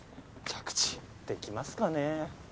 着地できますかね？